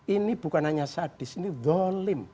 ini bukan hanya sadis ini dolim